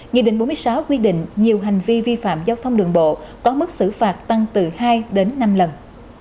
nghị định bốn mươi sáu quy định nhiều hành vi vi phạm giao thông đường bộ có mức xử phạt tăng từ hai đến năm lần